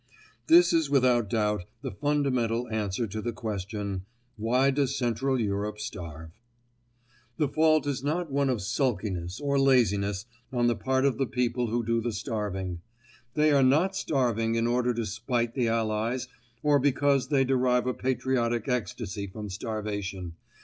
This is without doubt the fundamental answer to the question, "Why does Central Europe starve?" The fault is not one of sulkiness or laziness on the part of the people who do the starving. They are not starving in order to spite the Allies or because they derive a patriotic ecstasy from starvation.